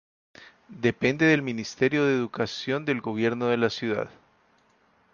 Depende del Ministerio de Educación del Gobierno de la Ciudad.